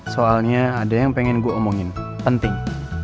soalnya ada yang pengen gue omongin penting